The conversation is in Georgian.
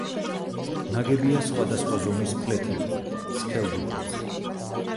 ნაგებია სხვადასხვა ზომის ფლეთილი ქვით, სქელ დუღაბზე.